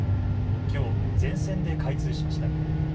きょう全線で開通しました。